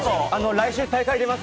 来週、大会出ます